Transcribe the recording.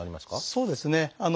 そうですね。